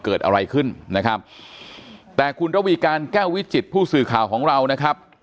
เกิดอะไรขึ้นนะครับแต่คุณระวีการแก้ววิจิตผู้สื่อข่าวของเรานะครับ